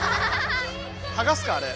はがすかあれ。